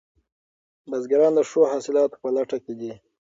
بزګران د ښو حاصلاتو په لټه کې دي.